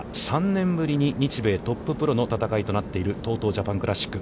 ３年ぶりに日米トッププロの戦いのＴＯＴＯジャパンクラシック。